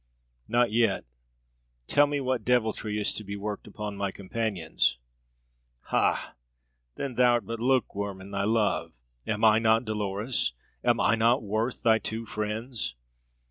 "Not yet! Tell me what deviltry is to be worked upon my companions." "Hah! Then thou'rt but lukewarm in thy love. Am I not Dolores? Am I not worth thy two friends?